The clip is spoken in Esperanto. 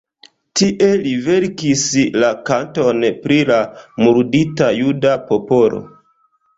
Tie li verkis la "Kanton pri la murdita juda popolo".